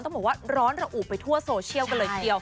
ก็เหมือนว่าร้อนระอุบไปทั่วโซเชียลกันเลยอีกเดียว